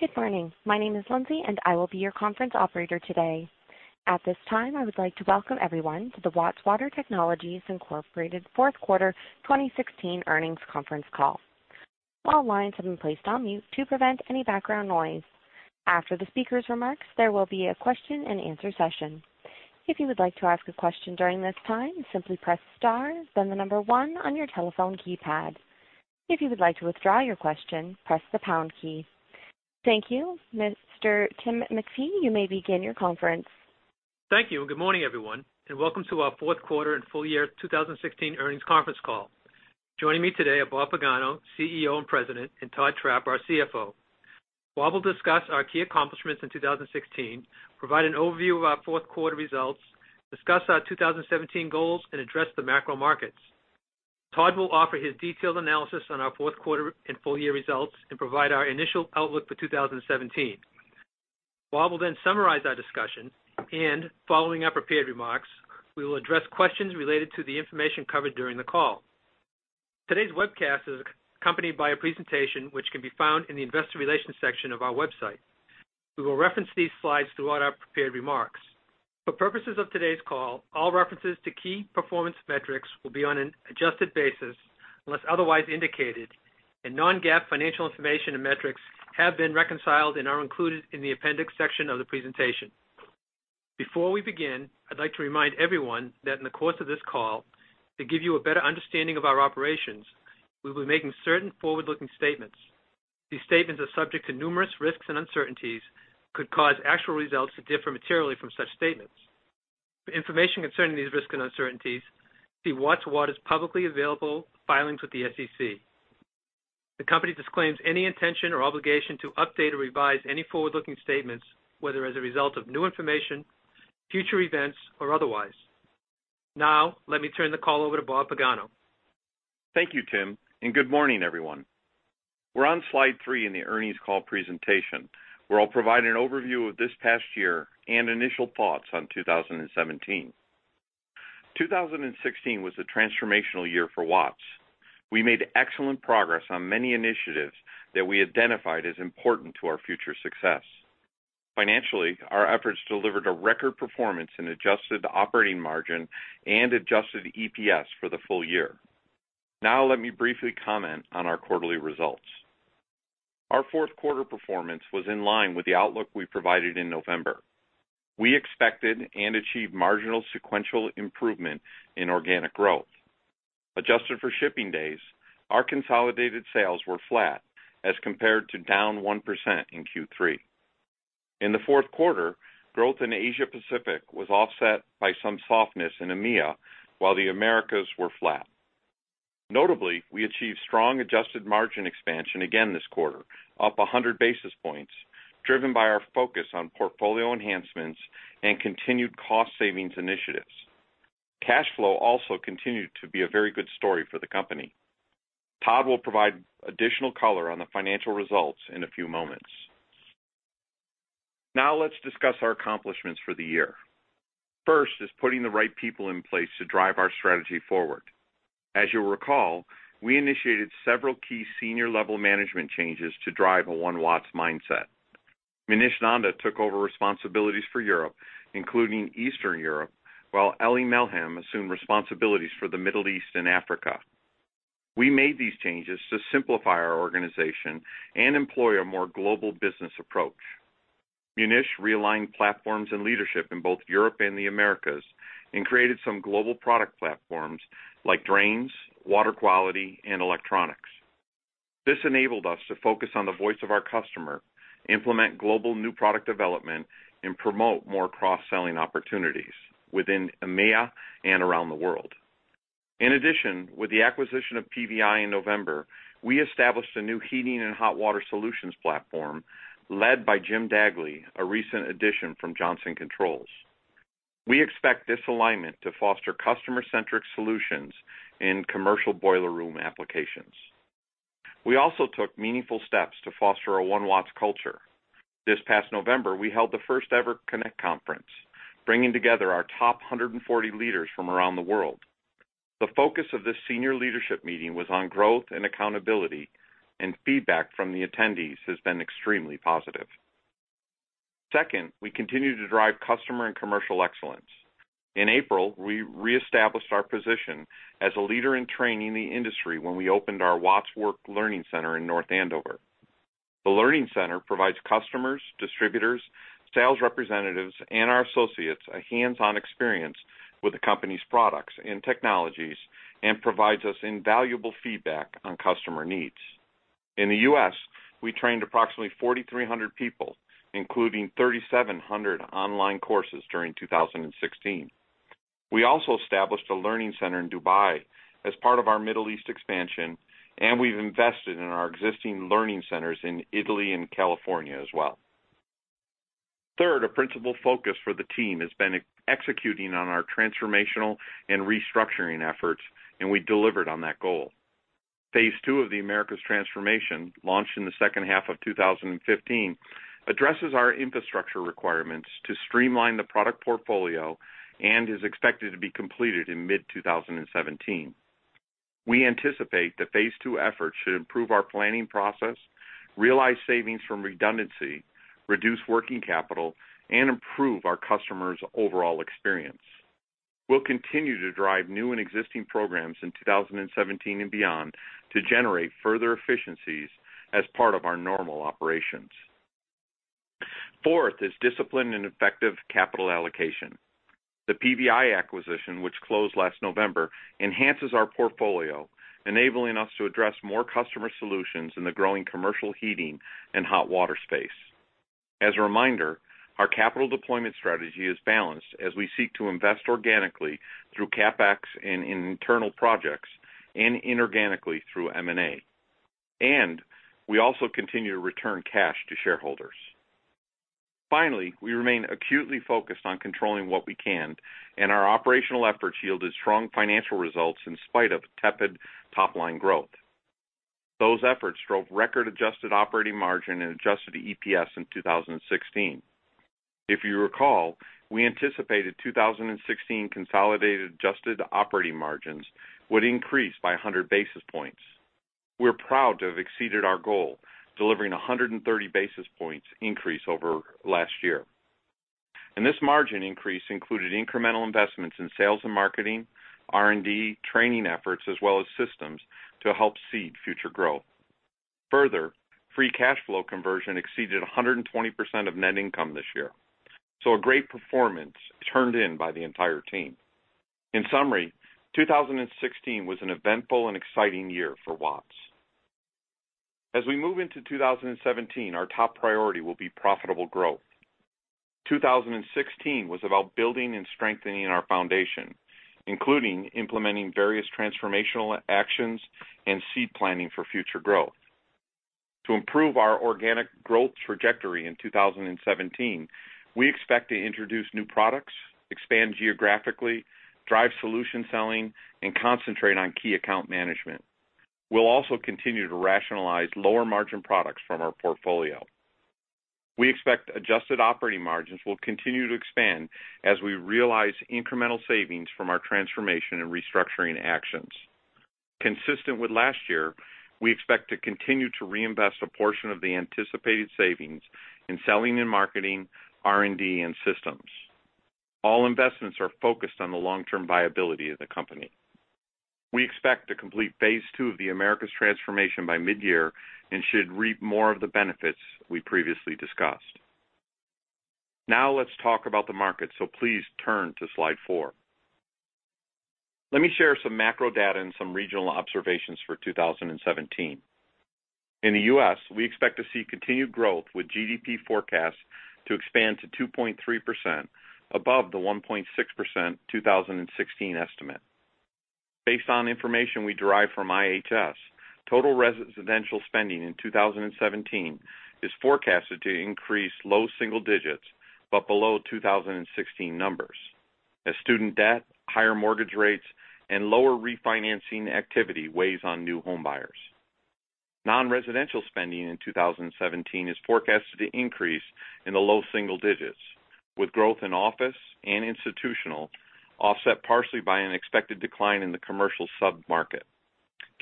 Good morning. My name is Lindsay, and I will be your conference operator today. At this time, I would like to welcome everyone to the Watts Water Technologies Incorporated fourth quarter 2016 earnings conference call. All lines have been placed on mute to prevent any background noise. After the speaker's remarks, there will be a question-and-answer session. If you would like to ask a question during this time, simply press star, then the number one on your telephone keypad. If you would like to withdraw your question, press the pound key. Thank you, Mr. Timothy MacPhee, you may begin your conference. Thank you, and good morning, everyone, and welcome to our fourth quarter and full year 2016 earnings conference call. Joining me today are Bob Pagano, CEO and President, and Todd Trapp, our CFO. Bob will discuss our key accomplishments in 2016, provide an overview of our fourth quarter results, discuss our 2017 goals, and address the macro markets. Todd will offer his detailed analysis on our fourth quarter and full year results and provide our initial outlook for 2017. Bob will then summarize our discussion, and following our prepared remarks, we will address questions related to the information covered during the call. Today's webcast is accompanied by a presentation which can be found in the investor relations section of our website. We will reference these slides throughout our prepared remarks. For purposes of today's call, all references to key performance metrics will be on an adjusted basis unless otherwise indicated, and non-GAAP financial information and metrics have been reconciled and are included in the appendix section of the presentation. Before we begin, I'd like to remind everyone that in the course of this call, to give you a better understanding of our operations, we'll be making certain forward-looking statements. These statements are subject to numerous risks and uncertainties could cause actual results to differ materially from such statements. For information concerning these risks and uncertainties, see Watts Water's publicly available filings with the SEC. The company disclaims any intention or obligation to update or revise any forward-looking statements, whether as a result of new information, future events, or otherwise. Now, let me turn the call over to Bob Pagano. Thank you, Tim, and good morning, everyone. We're on slide 3 in the earnings call presentation, where I'll provide an overview of this past year and initial thoughts on 2017. 2016 was a transformational year for Watts. We made excellent progress on many initiatives that we identified as important to our future success. Financially, our efforts delivered a record performance in Adjusted operating margin and adjusted EPS for the full year. Now, let me briefly comment on our quarterly results. Our fourth quarter performance was in line with the outlook we provided in November. We expected and achieved marginal sequential improvement in organic growth. Adjusted for shipping days, our consolidated sales were flat as compared to down 1% in Q3. In the fourth quarter, growth in Asia Pacific was offset by some softness in EMEA, while the Americas were flat. Notably, we achieved strong adjusted margin expansion again this quarter, up 100 basis points, driven by our focus on portfolio enhancements and continued cost savings initiatives. Cash flow also continued to be a very good story for the company. Todd will provide additional color on the financial results in a few moments. Now, let's discuss our accomplishments for the year. First is putting the right people in place to drive our strategy forward. As you'll recall, we initiated several key senior-level management changes to drive a One Watts mindset. Munish Nanda took over responsibilities for Europe, including Eastern Europe, while Elie Melhem assumed responsibilities for the Middle East and Africa. We made these changes to simplify our organization and employ a more global business approach. Munish realigned platforms and leadership in both Europe and the Americas and created some global product platforms like drains, water quality, and electronics. This enabled us to focus on the voice of our customer, implement global new product development, and promote more cross-selling opportunities within EMEA and around the world. In addition, with the acquisition of PVI in November, we established a new Heating and Hot Water Solutions platform led by Jim Dagley, a recent addition from Johnson Controls. We expect this alignment to foster customer-centric solutions in commercial boiler room applications. We also took meaningful steps to foster a One Watts culture. This past November, we held the first-ever Connect conference, bringing together our top 140 leaders from around the world. The focus of this senior leadership meeting was on growth and accountability, and feedback from the attendees has been extremely positive. Second, we continue to drive customer and commercial excellence. In April, we reestablished our position as a leader in training the industry when we opened our Watts Works Learning Center in North Andover. The learning center provides customers, distributors, sales representatives, and our associates a hands-on experience with the company's products and technologies and provides us invaluable feedback on customer needs. In the U.S., we trained approximately 4,300 people, including 3,700 online courses during 2016. We also established a learning center in Dubai as part of our Middle East expansion, and we've invested in our existing learning centers in Italy and California as well. Third, a principal focus for the team has been executing on our transformational and restructuring efforts, and we delivered on that goal. Phase two of the Americas' transformation, launched in the second half of 2015, addresses our infrastructure requirements to streamline the product portfolio and is expected to be completed in mid-2017. We anticipate the phase two effort should improve our planning process, realize savings from redundancy, reduce working capital, and improve our customers' overall experience. We'll continue to drive new and existing programs in 2017 and beyond to generate further efficiencies as part of our normal operations. Fourth is discipline and effective capital allocation. The PVI acquisition, which closed last November, enhances our portfolio, enabling us to address more customer solutions in the growing commercial heating and hot water space. As a reminder, our capital deployment strategy is balanced as we seek to invest organically through CapEx and in internal projects and inorganically through M&A, and we also continue to return cash to shareholders. Finally, we remain acutely focused on controlling what we can, and our operational efforts yielded strong financial results in spite of tepid top-line growth. Those efforts drove record adjusted operating margin and adjusted EPS in 2016. If you recall, we anticipated 2016 consolidated adjusted operating margins would increase by 100 basis points. We're proud to have exceeded our goal, delivering 130 basis points increase over last year. And this margin increase included incremental investments in sales and marketing, R&D, training efforts, as well as systems to help seed future growth. Further, free cash flow conversion exceeded 120% of net income this year, so a great performance turned in by the entire team. In summary, 2016 was an eventful and exciting year for Watts. As we move into 2017, our top priority will be profitable growth. 2016 was about building and strengthening our foundation, including implementing various transformational actions and seed planning for future growth. To improve our organic growth trajectory in 2017, we expect to introduce new products, expand geographically, drive solution selling, and concentrate on key account management. We'll also continue to rationalize lower-margin products from our portfolio. We expect adjusted operating margins will continue to expand as we realize incremental savings from our transformation and restructuring actions. Consistent with last year, we expect to continue to reinvest a portion of the anticipated savings in selling and marketing, R&D, and systems. All investments are focused on the long-term viability of the company. We expect to complete phase 2 of the Americas transformation by midyear and should reap more of the benefits we previously discussed. Now, let's talk about the market. So please turn to slide 4. Let me share some macro data and some regional observations for 2017. In the U.S., we expect to see continued growth, with GDP forecast to expand to 2.3%, above the 1.6% 2016 estimate. Based on information we derive from IHS, total residential spending in 2017 is forecasted to increase low single digits, but below 2016 numbers, as student debt, higher mortgage rates, and lower refinancing activity weighs on new homebuyers. Non-residential spending in 2017 is forecasted to increase in the low single digits, with growth in office and institutional offset partially by an expected decline in the commercial submarket.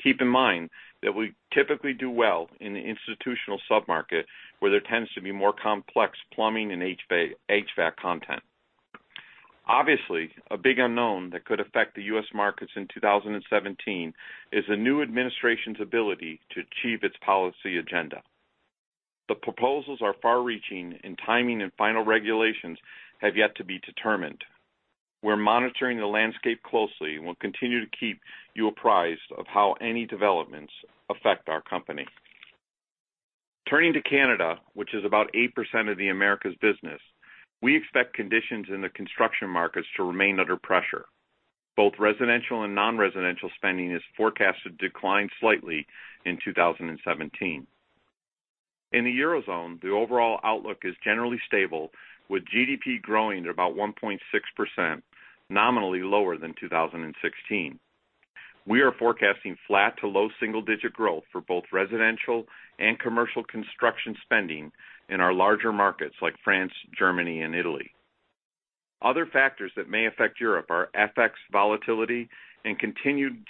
Keep in mind that we typically do well in the institutional submarket, where there tends to be more complex plumbing and HVAC content. Obviously, a big unknown that could affect the US markets in 2017 is the new administration's ability to achieve its policy agenda. The proposals are far-reaching, and timing and final regulations have yet to be determined. We're monitoring the landscape closely and will continue to keep you apprised of how any developments affect our company. Turning to Canada, which is about 8% of the Americas business, we expect conditions in the construction markets to remain under pressure. Both residential and non-residential spending is forecasted to decline slightly in 2017. In the Eurozone, the overall outlook is generally stable, with GDP growing at about 1.6%, nominally lower than 2016. We are forecasting flat to low single-digit growth for both residential and commercial construction spending in our larger markets like France, Germany, and Italy. Other factors that may affect Europe are FX volatility and continued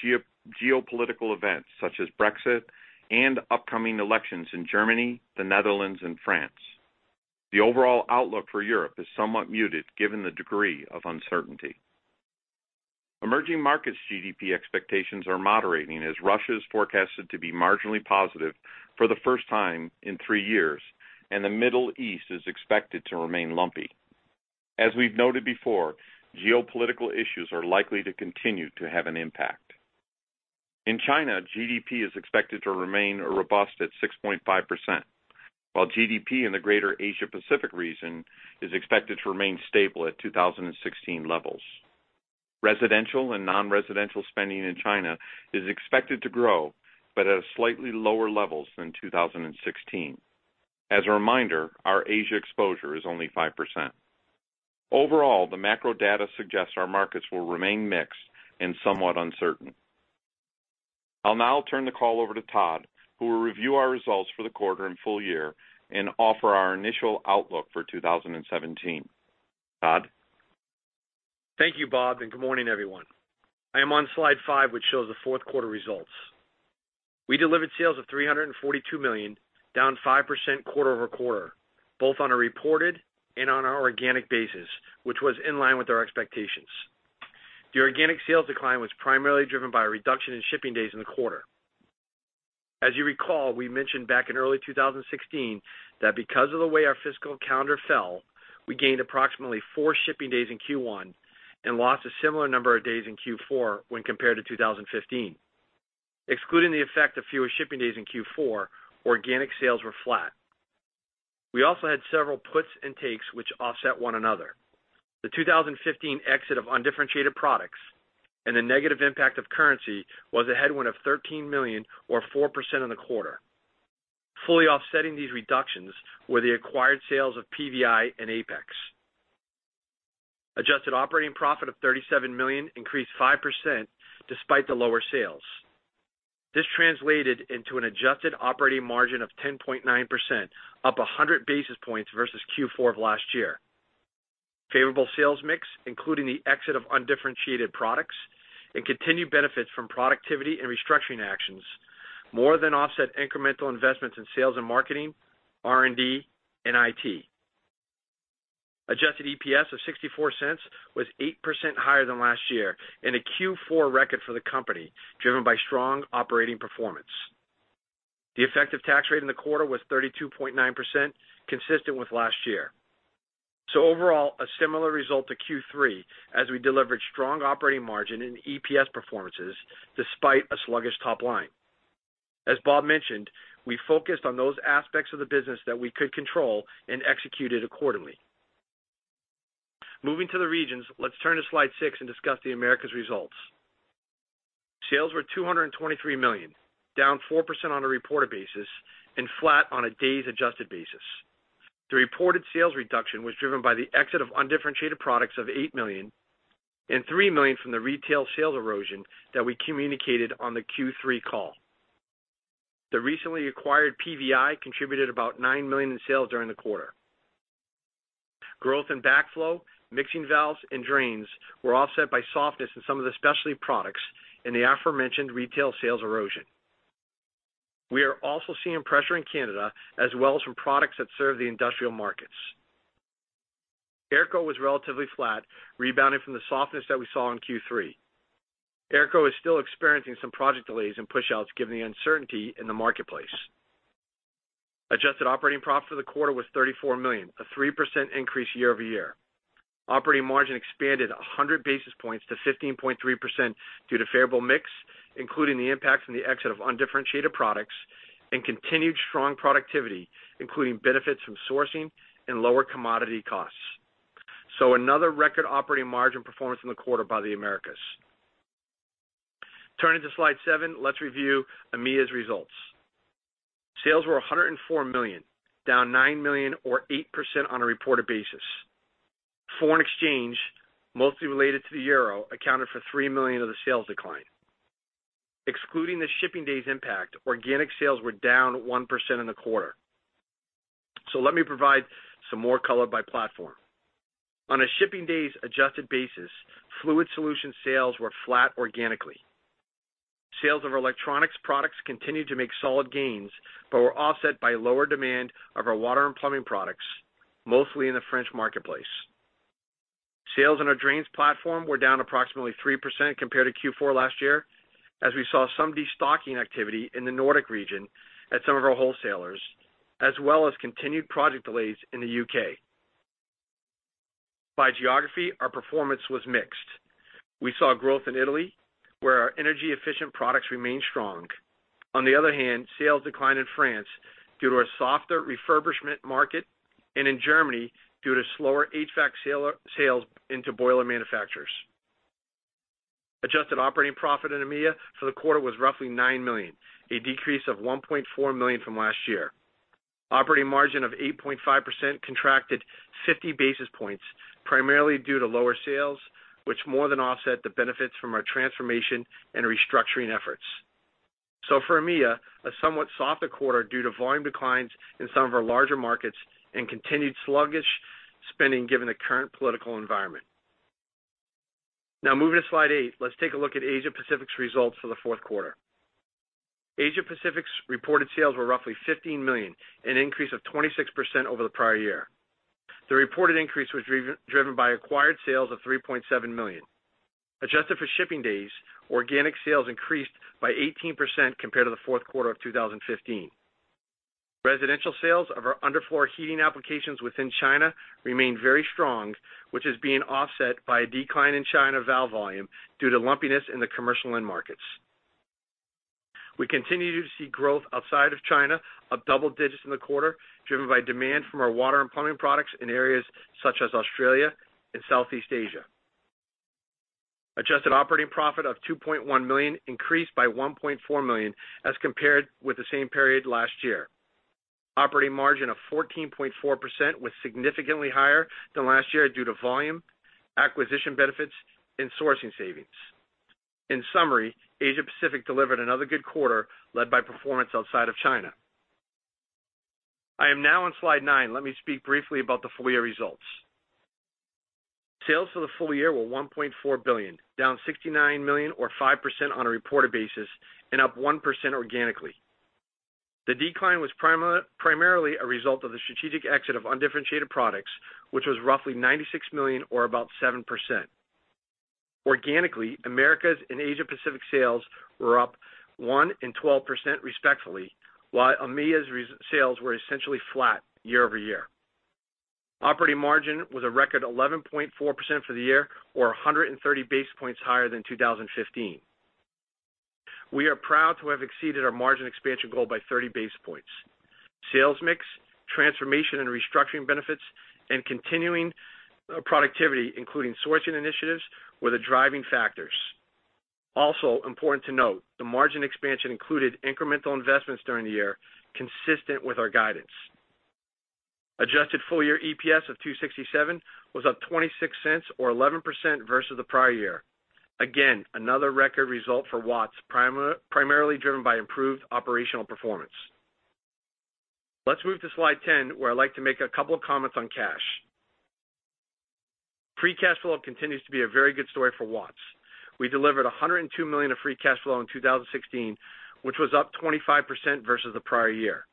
geopolitical events, such as Brexit and upcoming elections in Germany, the Netherlands, and France. The overall outlook for Europe is somewhat muted given the degree of uncertainty. Emerging markets GDP expectations are moderating, as Russia is forecasted to be marginally positive for the first time in three years, and the Middle East is expected to remain lumpy. As we've noted before, geopolitical issues are likely to continue to have an impact. In China, GDP is expected to remain robust at 6.5%, while GDP in the greater Asia Pacific region is expected to remain stable at 2016 levels. Residential and non-residential spending in China is expected to grow, but at slightly lower levels than 2016. As a reminder, our Asia exposure is only 5%. Overall, the macro data suggests our markets will remain mixed and somewhat uncertain. I'll now turn the call over to Todd, who will review our results for the quarter and full year and offer our initial outlook for 2017. Todd? Thank you, Bob, and good morning, everyone. I am on slide five, which shows the fourth quarter results. We delivered sales of $342 million, down 5% quarter-over-quarter, both on a reported and on an organic basis, which was in line with our expectations. The organic sales decline was primarily driven by a reduction in shipping days in the quarter. As you recall, we mentioned back in early 2016 that because of the way our fiscal calendar fell, we gained approximately four shipping days in Q1 and lost a similar number of days in Q4 when compared to 2015. Excluding the effect of fewer shipping days in Q4, organic sales were flat. We also had several puts and takes, which offset one another. The 2015 exit of undifferentiated products and the negative impact of currency was a headwind of $13 million or 4% in the quarter. Fully offsetting these reductions were the acquired sales of PVI and Apex. adjusted operating profit of $37 million increased 5% despite the lower sales. This translated into an adjusted operating margin of 10.9%, up 100 basis points versus Q4 of last year. Favorable sales mix, including the exit of undifferentiated products and continued benefits from productivity and restructuring actions, more than offset incremental investments in sales and marketing, R&D, and IT. Adjusted EPS of $0.64 was 8% higher than last year, and a Q4 record for the company, driven by strong operating performance. The effective tax rate in the quarter was 32.9%, consistent with last year. So overall, a similar result to Q3, as we delivered strong operating margin in EPS performances despite a sluggish top line. As Bob mentioned, we focused on those aspects of the business that we could control and executed accordingly. Moving to the regions, let's turn to slide six and discuss the Americas results. Sales were $223 million, down 4% on a reported basis and flat on a days adjusted basis. The reported sales reduction was driven by the exit of undifferentiated products of $8 million and $3 million from the retail sales erosion that we communicated on the Q3 call. The recently acquired PVI contributed about $9 million in sales during the quarter. Growth in backflow, mixing valves, and drains were offset by softness in some of the specialty products in the aforementioned retail sales erosion. We are also seeing pressure in Canada as well as from products that serve the industrial markets. AERCO was relatively flat, rebounding from the softness that we saw in Q3. AERCO is still experiencing some project delays and pushouts given the uncertainty in the marketplace. Adjusted operating profit for the quarter was $34 million, a 3% increase year-over-year. Operating margin expanded 100 basis points to 15.3% due to favorable mix, including the impact from the exit of undifferentiated products and continued strong productivity, including benefits from sourcing and lower commodity costs. So another record operating margin performance in the quarter by the Americas. Turning to slide 7, let's review EMEA's results. Sales were $104 million, down $9 million or 8% on a reported basis. Foreign exchange, mostly related to the euro, accounted for $3 million of the sales decline. Excluding the shipping days impact, organic sales were down 1% in the quarter. So let me provide some more color by platform. On a shipping days adjusted basis, Fluid Solutions sales were flat organically. Sales of our electronics products continued to make solid gains, but were offset by lower demand of our water and plumbing products, mostly in the French marketplace. Sales on our drains platform were down approximately 3% compared to Q4 last year, as we saw some destocking activity in the Nordic region at some of our wholesalers, as well as continued project delays in the U.K. By geography, our performance was mixed. We saw growth in Italy, where our energy-efficient products remained strong. On the other hand, sales declined in France due to a softer refurbishment market, and in Germany, due to slower HVAC sales into boiler manufacturers. Adjusted operating profit in EMEA for the quarter was roughly $9 million, a decrease of $1.4 million from last year. Operating margin of 8.5% contracted 50 basis points, primarily due to lower sales, which more than offset the benefits from our transformation and restructuring efforts. So for EMEA, a somewhat softer quarter due to volume declines in some of our larger markets and continued sluggish spending given the current political environment. Now, moving to slide 8, let's take a look at Asia Pacific's results for the fourth quarter. Asia Pacific's reported sales were roughly $15 million, an increase of 26% over the prior year. The reported increase was driven by acquired sales of $3.7 million. Adjusted for shipping days, organic sales increased by 18% compared to the fourth quarter of 2015. Residential sales of our underfloor heating applications within China remained very strong, which is being offset by a decline in China valve volume due to lumpiness in the commercial end markets. We continue to see growth outside of China of double digits in the quarter, driven by demand from our water and plumbing products in areas such as Australia and Southeast Asia. Adjusted operating profit of $2.1 million increased by $1.4 million as compared with the same period last year. Operating margin of 14.4% was significantly higher than last year due to volume, acquisition benefits, and sourcing savings. In summary, Asia Pacific delivered another good quarter, led by performance outside of China.... I am now on slide nine. Let me speak briefly about the full year results. Sales for the full year were $1.4 billion, down $69 million, or 5% on a reported basis, and up 1% organically. The decline was primarily a result of the strategic exit of undifferentiated products, which was roughly $96 million or about 7%. Organically, Americas and Asia Pacific sales were up 1% and 12%, respectively, while EMEA's sales were essentially flat year-over-year. Operating margin was a record 11.4% for the year, or 130 basis points higher than 2015. We are proud to have exceeded our margin expansion goal by 30 basis points. Sales mix, transformation, and restructuring benefits, and continuing productivity, including sourcing initiatives, were the driving factors. Also important to note, the margin expansion included incremental investments during the year, consistent with our guidance. adjusted full-year EPS of $2.67 was up $0.26 or 11% versus the prior year. Again, another record result for Watts, primarily driven by improved operational performance. Let's move to slide 10, where I'd like to make a couple of comments on cash. Free cash flow continues to be a very good story for Watts. We delivered $102 million of free cash flow in 2016, which was up 25% versus the prior year.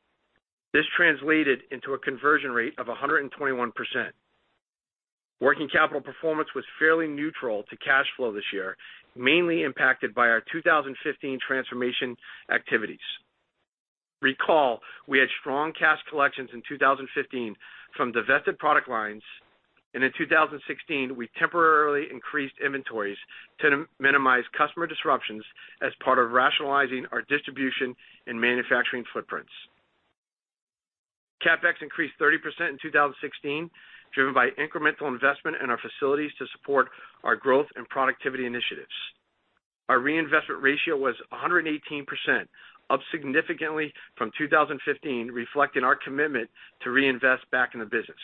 This translated into a conversion rate of 121%. Working capital performance was fairly neutral to cash flow this year, mainly impacted by our 2015 transformation activities. Recall, we had strong cash collections in 2015 from divested product lines, and in 2016, we temporarily increased inventories to minimize customer disruptions as part of rationalizing our distribution and manufacturing footprints. CapEx increased 30% in 2016, driven by incremental investment in our facilities to support our growth and productivity initiatives. Our reinvestment ratio was 118%, up significantly from 2015, reflecting our commitment to reinvest back in the business.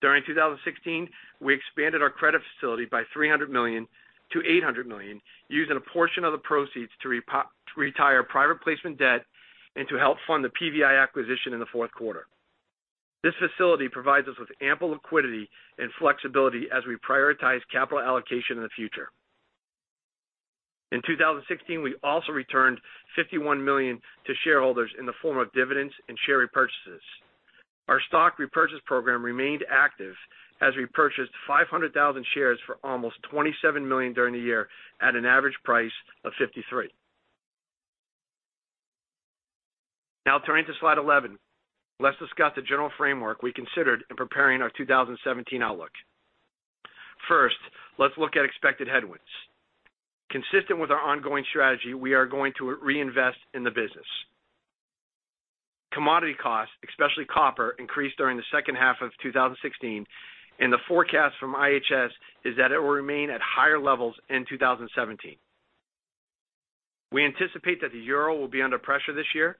During 2016, we expanded our credit facility by $300 million to $800 million, using a portion of the proceeds to retire private placement debt and to help fund the PVI acquisition in the fourth quarter. This facility provides us with ample liquidity and flexibility as we prioritize capital allocation in the future. In 2016, we also returned $51 million to shareholders in the form of dividends and share repurchases. Our stock repurchase program remained active as we purchased 500,000 shares for almost $27 million during the year at an average price of $53. Now turning to slide 11, let's discuss the general framework we considered in preparing our 2017 outlook. First, let's look at expected headwinds. Consistent with our ongoing strategy, we are going to reinvest in the business. Commodity costs, especially copper, increased during the second half of 2016, and the forecast from IHS is that it will remain at higher levels in 2017. We anticipate that the euro will be under pressure this year.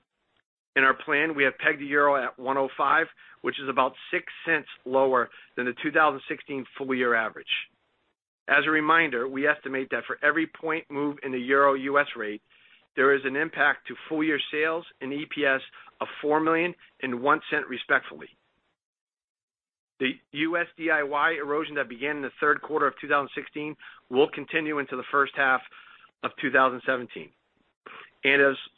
In our plan, we have pegged the euro at 1.05, which is about $0.06 lower than the 2016 full year average. As a reminder, we estimate that for every point move in the euro-US rate, there is an impact to full year sales and EPS of $4 million and $0.01, respectively. The US DIY erosion that began in the third quarter of 2016 will continue into the first half of 2017.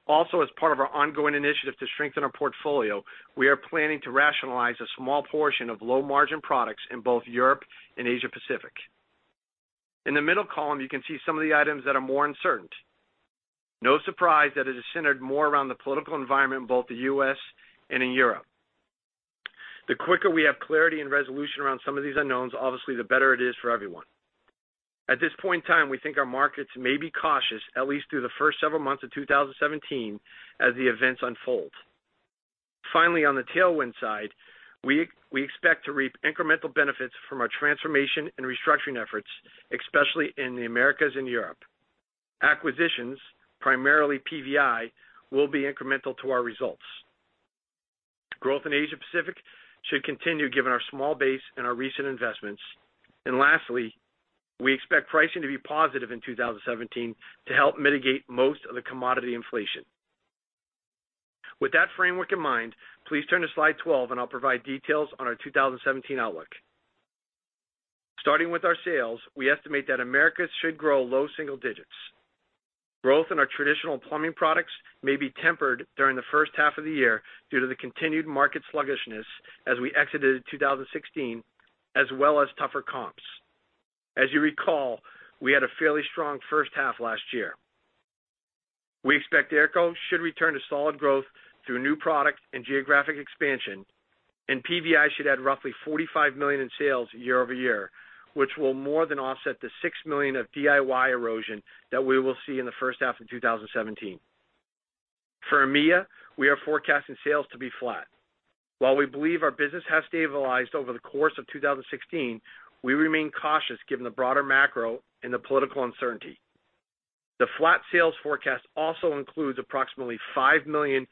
Also, as part of our ongoing initiative to strengthen our portfolio, we are planning to rationalize a small portion of low-margin products in both Europe and Asia Pacific. In the middle column, you can see some of the items that are more uncertain. No surprise that it is centered more around the political environment in both the US and in Europe. The quicker we have clarity and resolution around some of these unknowns, obviously, the better it is for everyone. At this point in time, we think our markets may be cautious, at least through the first several months of 2017, as the events unfold. Finally, on the tailwind side, we expect to reap incremental benefits from our transformation and restructuring efforts, especially in the Americas and Europe. Acquisitions, primarily PVI, will be incremental to our results. Growth in Asia Pacific should continue, given our small base and our recent investments. Lastly, we expect pricing to be positive in 2017 to help mitigate most of the commodity inflation. With that framework in mind, please turn to slide 12, and I'll provide details on our 2017 outlook. Starting with our sales, we estimate that Americas should grow low single digits. Growth in our traditional plumbing products may be tempered during the first half of the year due to the continued market sluggishness as we exited 2016, as well as tougher comps. As you recall, we had a fairly strong first half last year. We expect AERCO should return to solid growth through new product and geographic expansion, and PVI should add roughly $45 million in sales year-over-year, which will more than offset the $6 million of DIY erosion that we will see in the first half of 2017. For EMEA, we are forecasting sales to be flat. While we believe our business has stabilized over the course of 2016, we remain cautious given the broader macro and the political uncertainty. The flat sales forecast also includes approximately $5 million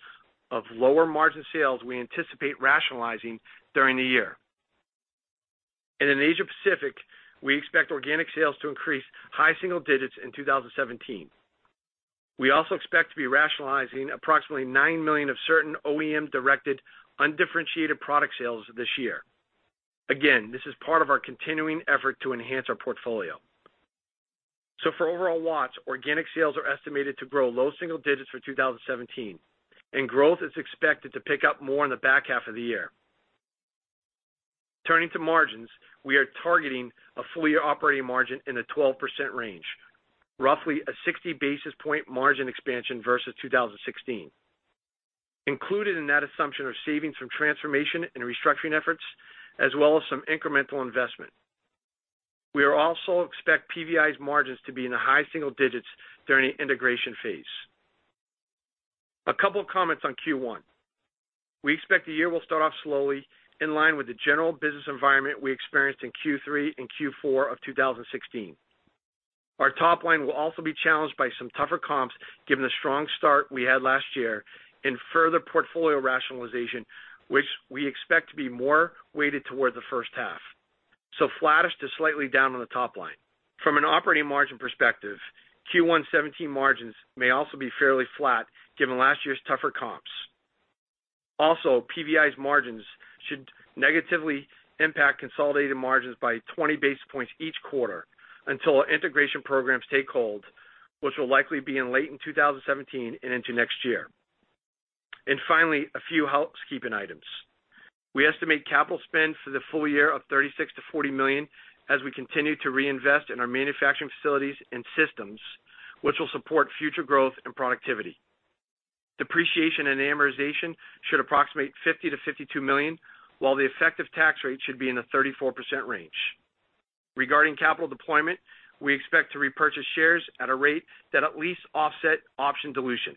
of lower margin sales we anticipate rationalizing during the year. In Asia Pacific, we expect organic sales to increase high single digits in 2017. We also expect to be rationalizing approximately $9 million of certain OEM-directed, undifferentiated product sales this year. Again, this is part of our continuing effort to enhance our portfolio. So for overall Watts, organic sales are estimated to grow low single digits for 2017, and growth is expected to pick up more in the back half of the year. Turning to margins, we are targeting a full year operating margin in the 12% range, roughly a 60 basis points margin expansion versus 2016. Included in that assumption are savings from transformation and restructuring efforts, as well as some incremental investment. We are also expect PVI's margins to be in the high single digits during the integration phase. A couple of comments on Q1. We expect the year will start off slowly, in line with the general business environment we experienced in Q3 and Q4 of 2016. Our top line will also be challenged by some tougher comps, given the strong start we had last year, and further portfolio rationalization, which we expect to be more weighted toward the first half. So, flattish is slightly down on the top line. From an operating margin perspective, Q1 2017 margins may also be fairly flat, given last year's tougher comps. Also, PVI's margins should negatively impact consolidated margins by 20 basis points each quarter until our integration programs take hold, which will likely be late in 2017 and into next year. Finally, a few housekeeping items. We estimate capital spend for the full year of $36 million-$40 million as we continue to reinvest in our manufacturing facilities and systems, which will support future growth and productivity. Depreciation and amortization should approximate $50 million-$52 million, while the effective tax rate should be in the 34% range. Regarding capital deployment, we expect to repurchase shares at a rate that at least offset option dilution,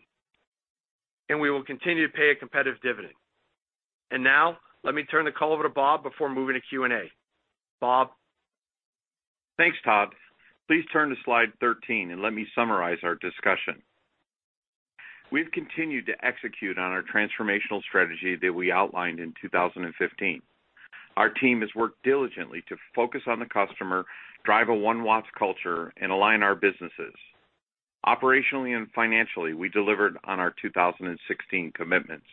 and we will continue to pay a competitive dividend. Now, let me turn the call over to Bob before moving to Q&A. Bob? Thanks, Todd. Please turn to slide 13 and let me summarize our discussion. We've continued to execute on our transformational strategy that we outlined in 2015. Our team has worked diligently to focus on the customer, drive a One Watts culture, and align our businesses. Operationally and financially, we delivered on our 2016 commitments.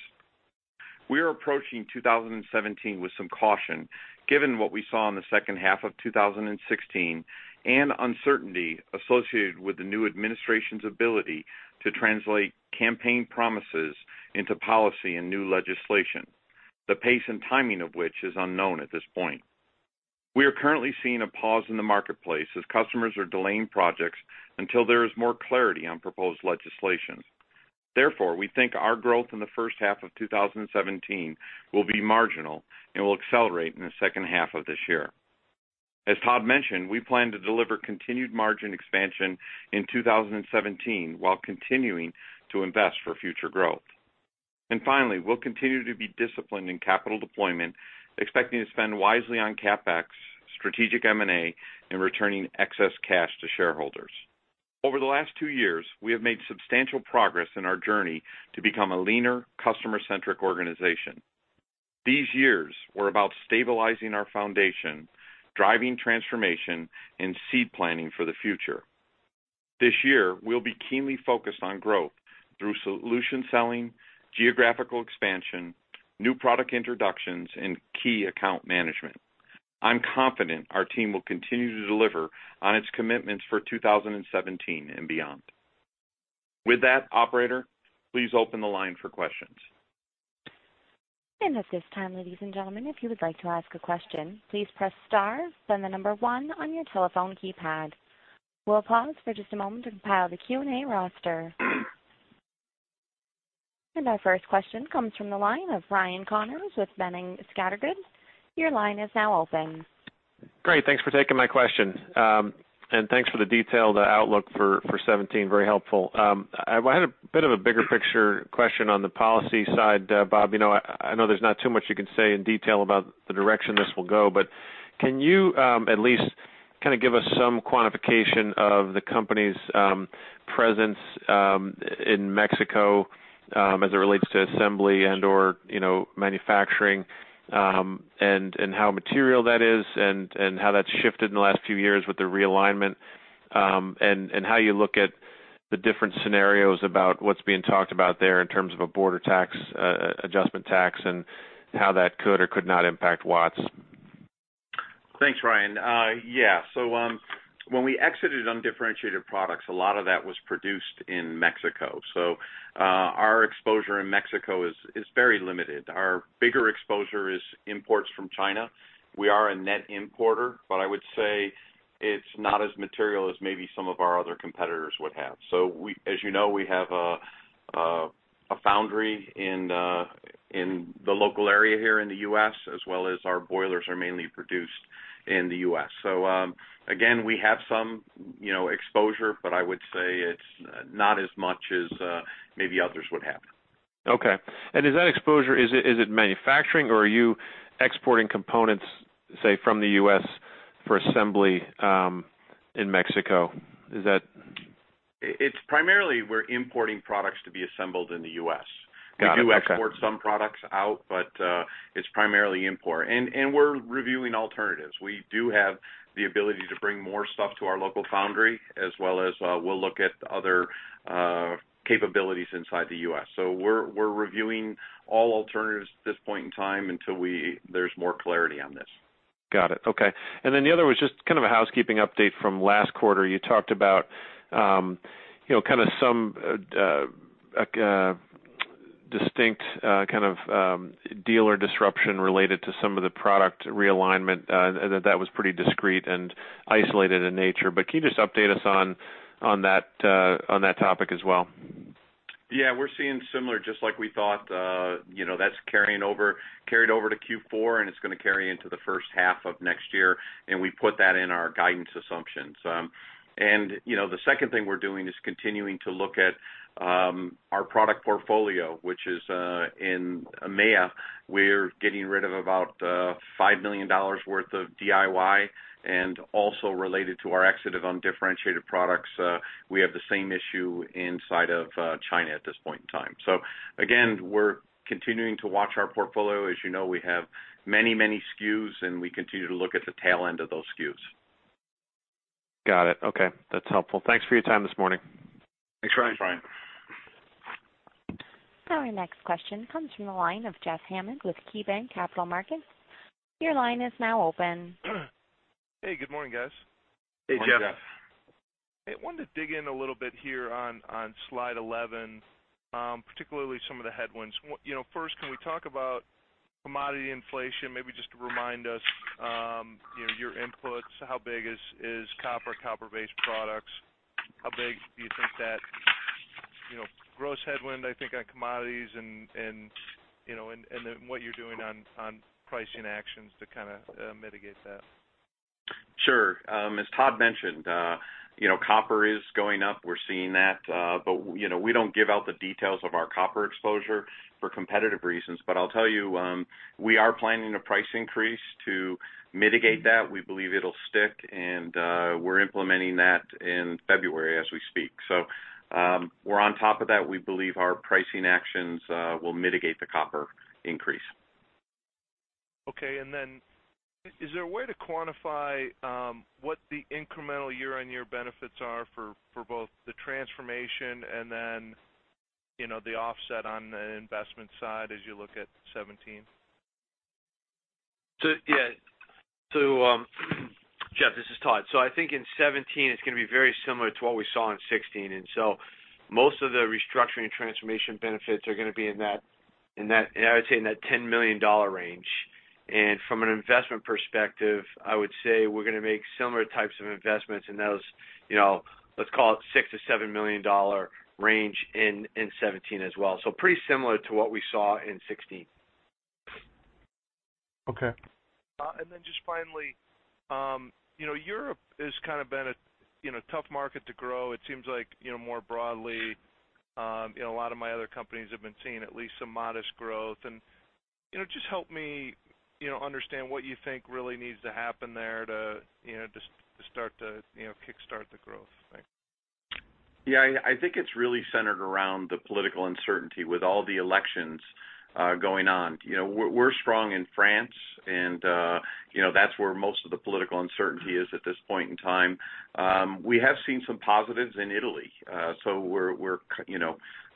We are approaching 2017 with some caution, given what we saw in the second half of 2016, and uncertainty associated with the new administration's ability to translate campaign promises into policy and new legislation, the pace and timing of which is unknown at this point. We are currently seeing a pause in the marketplace as customers are delaying projects until there is more clarity on proposed legislation. Therefore, we think our growth in the first half of 2017 will be marginal and will accelerate in the second half of this year. As Todd mentioned, we plan to deliver continued margin expansion in 2017, while continuing to invest for future growth. And finally, we'll continue to be disciplined in capital deployment, expecting to spend wisely on CapEx, strategic M&A, and returning excess cash to shareholders. Over the last two years, we have made substantial progress in our journey to become a leaner, customer-centric organization. These years were about stabilizing our foundation, driving transformation, and seed planting for the future. This year, we'll be keenly focused on growth through solution selling, geographical expansion, new product introductions, and key account management. I'm confident our team will continue to deliver on its commitments for 2017 and beyond. With that, operator, please open the line for questions. At this time, ladies and gentlemen, if you would like to ask a question, please press star, then the number one on your telephone keypad. We'll pause for just a moment to compile the Q&A roster. Our first question comes from the line of Ryan Connors with Boenning & Scattergood. Your line is now open. Great, thanks for taking my question. Thanks for the detailed outlook for 17. Very helpful. I had a bit of a bigger picture question on the policy side, Bob. You know, I know there's not too much you can say in detail about the direction this will go, but can you at least kind of give us some quantification of the company's presence in Mexico as it relates to assembly and/or, you know, manufacturing, and how material that is and how that's shifted in the last few years with the realignment, and how you look at the different scenarios about what's being talked about there in terms of a border tax, adjustment tax, and how that could or could not impact Watts? Thanks, Ryan. Yeah, so, when we exited undifferentiated products, a lot of that was produced in Mexico. So, our exposure in Mexico is very limited. Our bigger exposure is imports from China. We are a net importer, but I would say it's not as material as maybe some of our other competitors would have. So we, as you know, have a foundry in the local area here in the US, as well as our boilers are mainly produced in the US. So, again, we have some, you know, exposure, but I would say it's not as much as, maybe others would have. Okay. And is that exposure, is it manufacturing, or are you exporting components, say, from the U.S. for assembly in Mexico? Is that-... It's primarily we're importing products to be assembled in the U.S. Got it. Okay. We do export some products out, but it's primarily import. And we're reviewing alternatives. We do have the ability to bring more stuff to our local foundry, as well as we'll look at other capabilities inside the U.S. So we're reviewing all alternatives at this point in time until we... there's more clarity on this. Got it. Okay. And then the other was just kind of a housekeeping update from last quarter. You talked about, you know, kind of some distinct kind of dealer disruption related to some of the product realignment, and that, that was pretty discrete and isolated in nature. But can you just update us on, on that, on that topic as well? Yeah, we're seeing similar, just like we thought. You know, that's carrying over, carried over to Q4, and it's gonna carry into the first half of next year, and we put that in our guidance assumptions. And, you know, the second thing we're doing is continuing to look at our product portfolio, which is in EMEA, we're getting rid of about $5 million worth of DIY, and also related to our exit of undifferentiated products, we have the same issue inside of China at this point in time. So again, we're continuing to watch our portfolio. As you know, we have many, many SKUs, and we continue to look at the tail end of those SKUs. Got it. Okay, that's helpful. Thanks for your time this morning. Thanks, Ryan. Our next question comes from the line of Jeff Hammond with KeyBanc Capital Markets. Your line is now open. Hey, good morning, guys. Hey, Jeff. Good morning, Jeff. I wanted to dig in a little bit here on, on slide 11, particularly some of the headwinds. What, you know, first, can we talk about commodity inflation? Maybe just to remind us, you know, your inputs, how big is copper, copper-based products? How big do you think that, you know, gross headwind, I think, on commodities and then what you're doing on pricing actions to kind of mitigate that? Sure. As Todd mentioned, you know, copper is going up. We're seeing that, but, you know, we don't give out the details of our copper exposure for competitive reasons. But I'll tell you, we are planning a price increase to mitigate that. We believe it'll stick, and, we're implementing that in February as we speak. So, we're on top of that. We believe our pricing actions will mitigate the copper increase. Okay. And then is there a way to quantify what the incremental year-on-year benefits are for both the transformation and then, you know, the offset on the investment side as you look at 2017? So, yeah. So, Jeff, this is Todd. So I think in 2017, it's gonna be very similar to what we saw in 2016, and so most of the restructuring transformation benefits are gonna be in that, and I would say, in that $10 million range. And from an investment perspective, I would say we're gonna make similar types of investments in those, you know, let's call it $6 million-$7 million range in 2017 as well. So pretty similar to what we saw in 2016. Okay. And then just finally, you know, Europe has kind of been a, you know, tough market to grow. It seems like, you know, more broadly, you know, a lot of my other companies have been seeing at least some modest growth. And, you know, just help me, you know, understand what you think really needs to happen there to, you know, just to start to, you know, kickstart the growth. Thanks. Yeah, I think it's really centered around the political uncertainty with all the elections going on. You know, we're strong in France, and you know, that's where most of the political uncertainty is at this point in time. We have seen some positives in Italy, so we're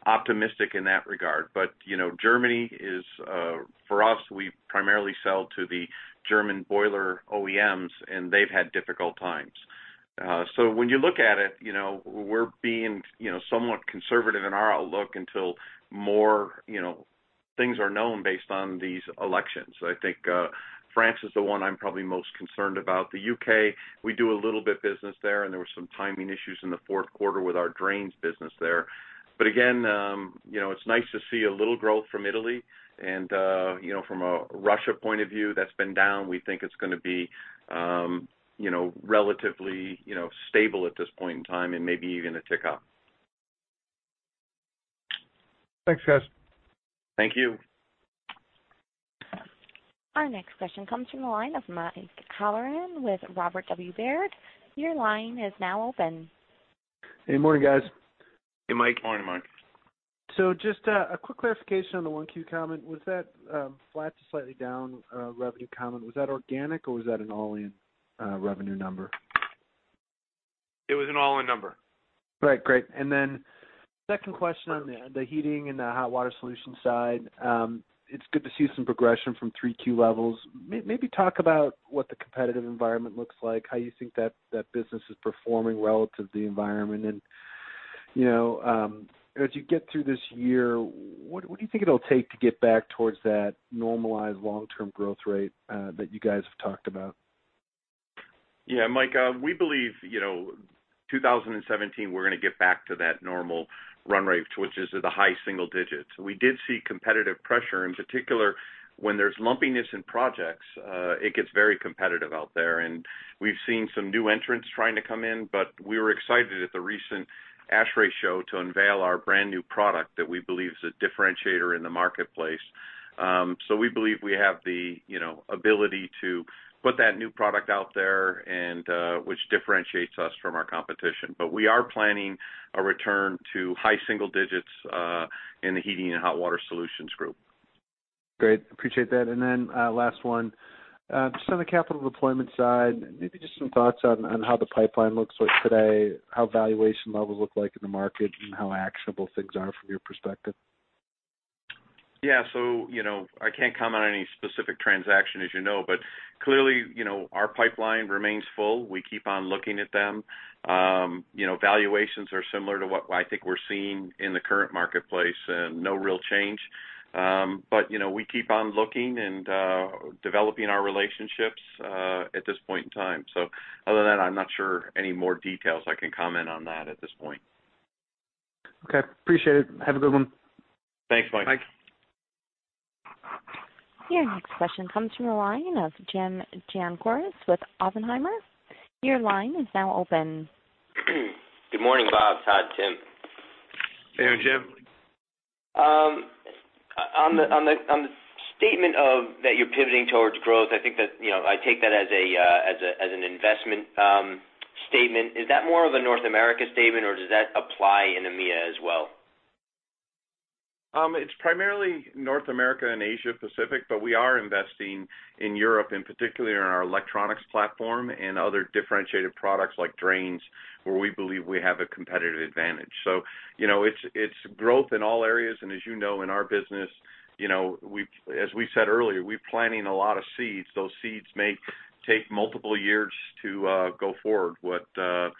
optimistic in that regard. But, you know, Germany is... For us, we primarily sell to the German boiler OEMs, and they've had difficult times. So when you look at it, you know, we're being somewhat conservative in our outlook until more things are known based on these elections. So I think France is the one I'm probably most concerned about. The UK, we do a little bit business there, and there were some timing issues in the fourth quarter with our drains business there. But again, you know, it's nice to see a little growth from Italy, and, you know, from a Russia point of view, that's been down. We think it's gonna be, you know, relatively, you know, stable at this point in time and maybe even a tick up. Thanks, guys. Thank you. Our next question comes from the line of Mike Halloran with Robert W. Baird. Your line is now open. Hey, good morning, guys. Hey, Mike. Morning, Mike. So just a quick clarification on the 1Q comment. Was that flat to slightly down revenue comment, was that organic, or was that an all-in revenue number? It was an all-in number. Right. Great. And then second question on the heating and hot water solution side. It's good to see some progression from 3Q levels. Maybe talk about what the competitive environment looks like, how you think that business is performing relative to the environment. And, you know, as you get through this year, what do you think it'll take to get back towards that normalized long-term growth rate that you guys have talked about? Yeah, Mike, we believe, you know, 2017, we're gonna get back to that normal run rate, which is at the high single digits. We did see competitive pressure. In particular, when there's lumpiness in projects, it gets very competitive out there, and we've seen some new entrants trying to come in. But we were excited at the recent ASHRAE show to unveil our brand-new product that we believe is a differentiator in the marketplace. So we believe we have the, you know, ability to put that new product out there, and, which differentiates us from our competition. But we are planning a return to high single digits, in the Heating and Hot Water Solutions group. Great, appreciate that. And then, last one. Just on the capital deployment side, maybe just some thoughts on how the pipeline looks like today, how valuation levels look like in the market, and how actionable things are from your perspective. Yeah. So, you know, I can't comment on any specific transaction, as you know, but clearly, you know, our pipeline remains full. We keep on looking at them. You know, valuations are similar to what I think we're seeing in the current marketplace and no real change. But, you know, we keep on looking and developing our relationships at this point in time. So other than that, I'm not sure any more details I can comment on that at this point. Okay, appreciate it. Have a good one. Thanks, Mike. Bye. Your next question comes from the line of Jim Giannakouros with Oppenheimer. Your line is now open. Good morning, Bob. Todd, Jim. Hey, Jim. On the statement that you're pivoting towards growth, I think that, you know, I take that as an investment statement. Is that more of a North America statement, or does that apply in EMEA as well? It's primarily North America and Asia Pacific, but we are investing in Europe, and particularly in our electronics platform and other differentiated products like Drains, where we believe we have a competitive advantage. So, you know, it's growth in all areas. And as you know, in our business, you know, we, as we said earlier, we're planting a lot of seeds. Those seeds may take multiple years to go forward. But, you know,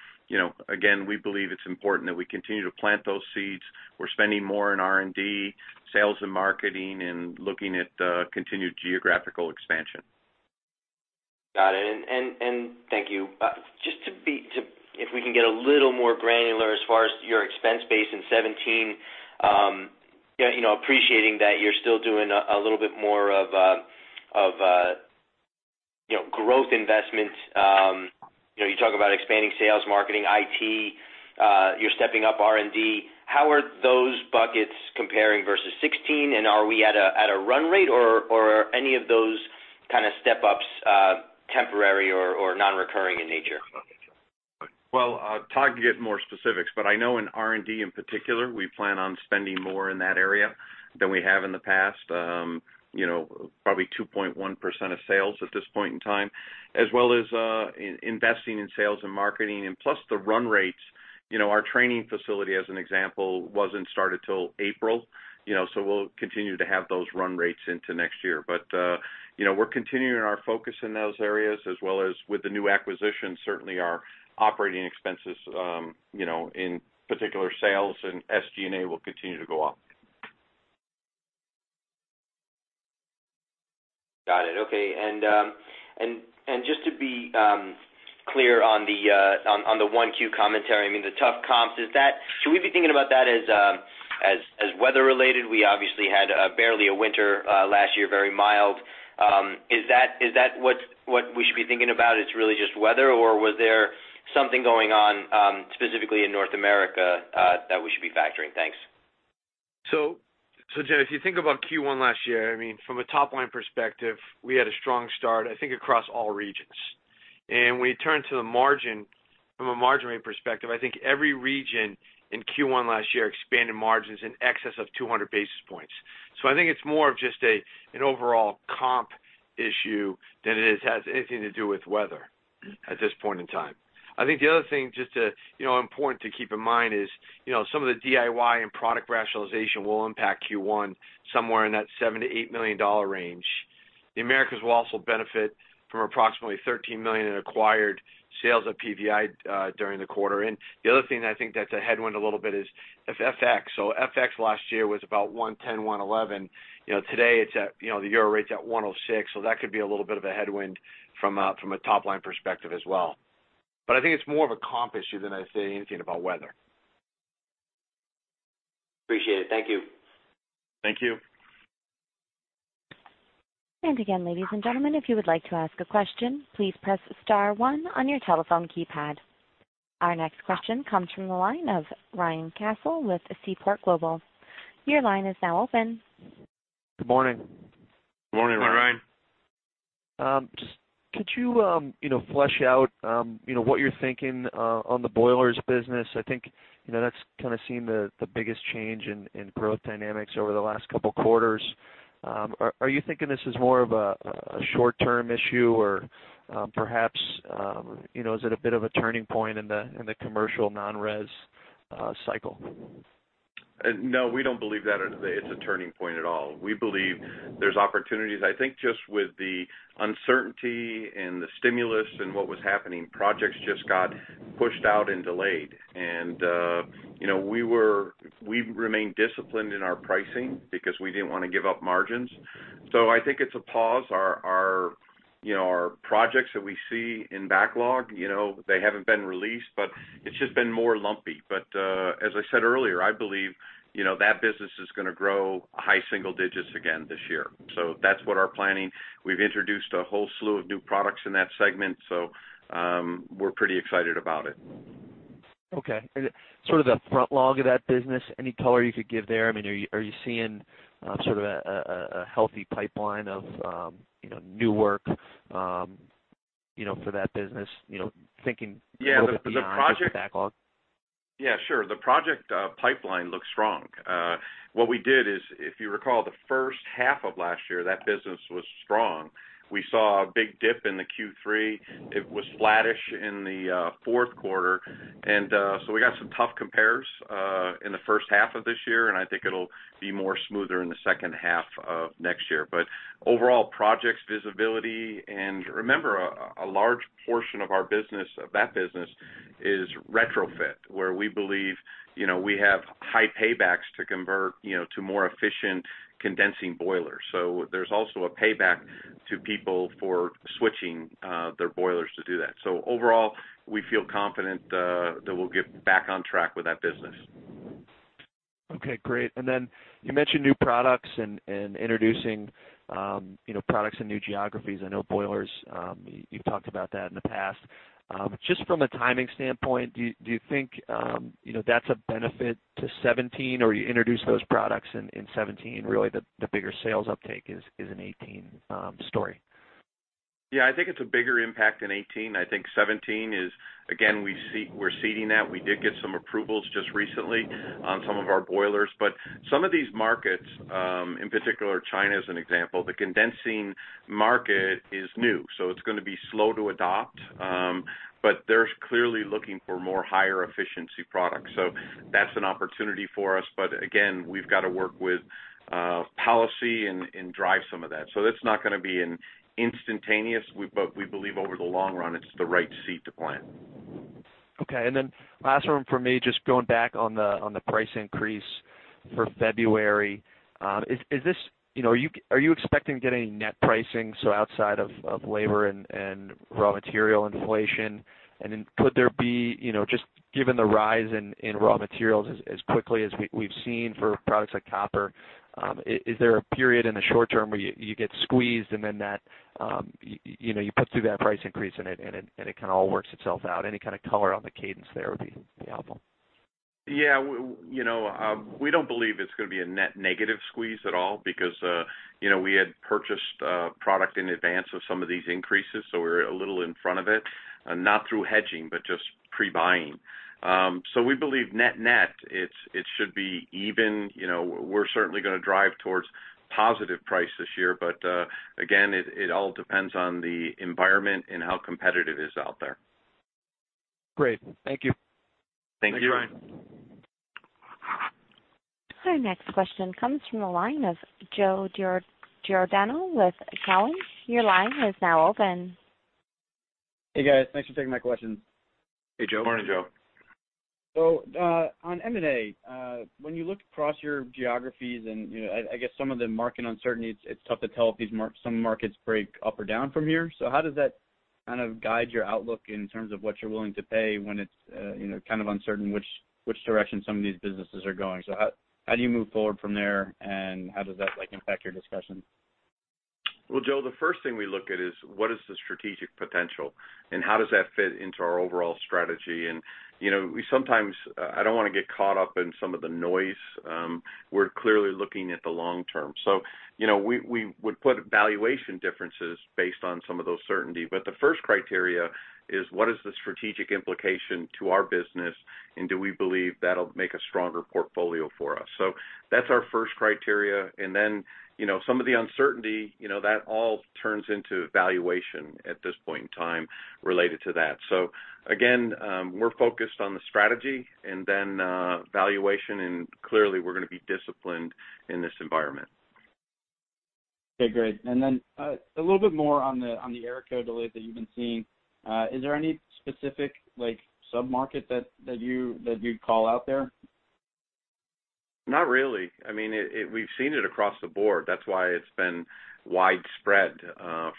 again, we believe it's important that we continue to plant those seeds. We're spending more in R&D, sales and marketing, and looking at continued geographical expansion. Got it. And thank you. If we can get a little more granular as far as your expense base in 2017. You know, appreciating that you're still doing a little bit more of, you know, growth investments. You know, you talk about expanding sales, marketing, IT, you're stepping up R&D. How are those buckets comparing versus 2016? And are we at a run rate, or are any of those kind of step-ups temporary or non-recurring in nature? Well, Todd can give more specifics, but I know in R&D in particular, we plan on spending more in that area than we have in the past. You know, probably 2.1% of sales at this point in time, as well as investing in sales and marketing. Plus the run rates, you know, our training facility, as an example, wasn't started till April, you know, so we'll continue to have those run rates into next year. But, you know, we're continuing our focus in those areas as well as with the new acquisition. Certainly, our operating expenses, you know, in particular, sales and SG&A, will continue to go up. Got it. Okay. And just to be clear on the 1Q commentary, I mean, the tough comps. Should we be thinking about that as weather-related? We obviously had barely a winter last year, very mild. Is that what we should be thinking about? It's really just weather, or was there something going on specifically in North America that we should be factoring? Thanks. So, so, Jim, if you think about Q1 last year, I mean, from a top-line perspective, we had a strong start, I think, across all regions. And when you turn to the margin, from a margin rate perspective, I think every region in Q1 last year expanded margins in excess of 200 basis points. So I think it's more of just a, an overall comp issue than it has anything to do with weather at this point in time. I think the other thing just to, you know, important to keep in mind is, you know, some of the DIY and product rationalization will impact Q1 somewhere in that $7 million-$8 million range. The Americas will also benefit from approximately $13 million in acquired sales of PVI during the quarter. And the other thing I think that's a headwind a little bit is, is FX. So FX last year was about 1.10, 1.11. You know, today it's at, you know, the euro rate's at 1.06, so that could be a little bit of a headwind from a top-line perspective as well. But I think it's more of a comp issue than I'd say anything about weather. Appreciate it. Thank you. Thank you. And again, ladies and gentlemen, if you would like to ask a question, please press star one on your telephone keypad. Our next question comes from the line of Ryan Cassil with Seaport Global. Your line is now open. Good morning. Good morning, Ryan. Good morning, Ryan. Just, could you, you know, flesh out, you know, what you're thinking on the boilers business? I think, you know, that's kind of seen the biggest change in growth dynamics over the last couple quarters. Are you thinking this is more of a short-term issue, or, perhaps, you know, is it a bit of a turning point in the commercial non-res cycle? No, we don't believe that it's a turning point at all. We believe there's opportunities. I think just with the uncertainty and the stimulus and what was happening, projects just got pushed out and delayed. And, you know, we remained disciplined in our pricing because we didn't want to give up margins. So I think it's a pause. Our, you know, our projects that we see in backlog, you know, they haven't been released, but it's just been more lumpy. But, as I said earlier, I believe, you know, that business is gonna grow high single digits again this year. So that's what our planning. We've introduced a whole slew of new products in that segment, so, we're pretty excited about it.... Okay. And sort of the front log of that business, any color you could give there? I mean, are you seeing sort of a healthy pipeline of, you know, new work, you know, for that business? You know, thinking- Yeah, the project- behind the backlog. Yeah, sure. The project pipeline looks strong. What we did is, if you recall, the first half of last year, that business was strong. We saw a big dip in the Q3. It was flattish in the fourth quarter, and so we got some tough compares in the first half of this year, and I think it'll be more smoother in the second half of next year. But overall, projects visibility, and remember, a large portion of our business, of that business, is retrofit, where we believe, you know, we have high paybacks to convert, you know, to more efficient condensing boilers. So there's also a payback to people for switching their boilers to do that. So overall, we feel confident that we'll get back on track with that business. Okay, great. And then you mentioned new products and introducing, you know, products in new geographies. I know boilers, you've talked about that in the past. Just from a timing standpoint, do you think, you know, that's a benefit to 2017, or you introduce those products in 2017, really, the bigger sales uptake is an 2018 story? Yeah, I think it's a bigger impact in 2018. I think 2017 is, again, we see- we're seeding that. We did get some approvals just recently on some of our boilers, but some of these markets, in particular, China as an example, the condensing market is new, so it's gonna be slow to adopt, but they're clearly looking for more higher efficiency products. So that's an opportunity for us, but again, we've got to work with, policy and, and drive some of that. So it's not gonna be an instantaneous, we, but we believe over the long run, it's the right seed to plant. Okay, and then last one for me, just going back on the, on the price increase for February, is this... You know, are you expecting to get any net pricing, so outside of labor and raw material inflation? And then could there be, you know, just given the rise in raw materials as quickly as we've seen for products like copper, is there a period in the short term where you get squeezed and then that, you know, you put through that price increase and it kind of all works itself out? Any kind of color on the cadence there would be helpful. Yeah, you know, we don't believe it's gonna be a net negative squeeze at all because, you know, we had purchased product in advance of some of these increases, so we're a little in front of it, not through hedging, but just pre-buying. So we believe net-net, it's, it should be even. You know, we're certainly gonna drive towards positive price this year, but, again, it, it all depends on the environment and how competitive it is out there. Great. Thank you. Thank you. Thanks, Ryan. Our next question comes from the line of Joe Giordano with Cowen. Your line is now open. Hey, guys. Thanks for taking my questions. Hey, Joe. Morning, Joe. So, on M&A, when you look across your geographies and, you know, I guess some of the market uncertainty, it's tough to tell if some markets break up or down from here. So how does that kind of guide your outlook in terms of what you're willing to pay when it's, you know, kind of uncertain which direction some of these businesses are going? So how do you move forward from there, and how does that, like, impact your discussion? Well, Joe, the first thing we look at is what is the strategic potential, and how does that fit into our overall strategy? And, you know, we sometimes, I don't want to get caught up in some of the noise. We're clearly looking at the long term. So, you know, we would put valuation differences based on some of those certainty, but the first criteria is what is the strategic implication to our business, and do we believe that'll make a stronger portfolio for us? So that's our first criteria, and then, you know, some of the uncertainty, you know, that all turns into valuation at this point in time related to that. So again, we're focused on the strategy and then, valuation, and clearly, we're gonna be disciplined in this environment. Okay, great. And then, a little bit more on the AERCO delay that you've been seeing. Is there any specific, like, sub-market that you'd call out there? Not really. I mean, we've seen it across the board. That's why it's been widespread,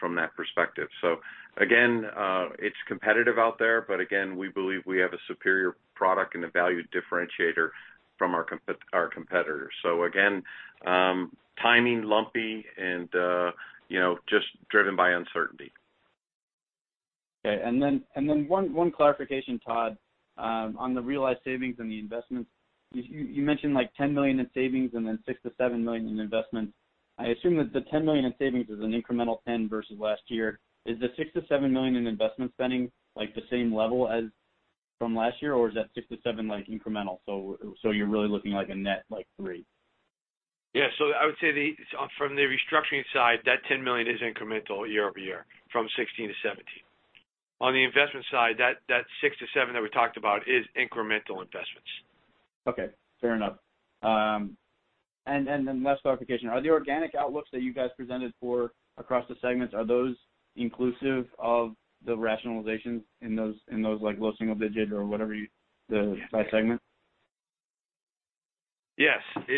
from that perspective. So again, it's competitive out there, but again, we believe we have a superior product and a value differentiator from our competitors. So again, timing, lumpy, and, you know, just driven by uncertainty. Okay. Then one clarification, Todd. On the realized savings and the investments, you mentioned, like, $10 million in savings and then $6 million-$7 million in investments. I assume that the $10 million in savings is an incremental ten versus last year. Is the $6 million-$7 million in investment spending, like, the same level as from last year, or is that $6 million-$7 million, like, incremental, so you're really looking at a net, like, three? Yeah, so I would say the from the restructuring side, $10 million is incremental year-over-year, from 2016 to 2017. On the investment side, that $6 million-$7 million that we talked about is incremental investments. Okay, fair enough. And then last clarification: Are the organic outlooks that you guys presented for across the segments, are those inclusive of the rationalizations in those, like, low single digit or whatever you... By segment? Yes, it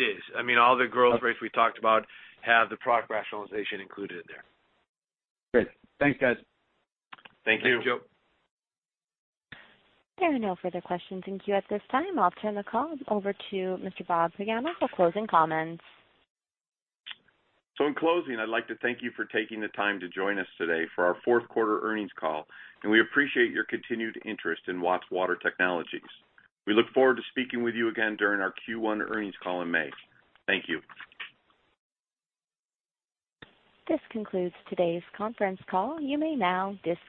is. I mean, all the growth rates we talked about have the product rationalization included in there. Great. Thanks, guys. Thank you. Thank you, Joe. There are no further questions in queue at this time. I'll turn the call over to Mr. Bob Pagano for closing comments. In closing, I'd like to thank you for taking the time to join us today for our fourth quarter earnings call, and we appreciate your continued interest in Watts Water Technologies. We look forward to speaking with you again during our Q1 earnings call in May. Thank you. This concludes today's conference call. You may now disconnect.